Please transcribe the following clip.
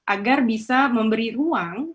agar bisa memberi ruang